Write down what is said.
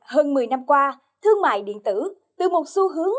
hơn một mươi năm qua thương mại điện tử từ một xu hướng